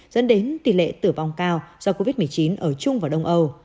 dẫn đến tỷ lệ tử vong cao do covid một mươi chín ở trung và đông âu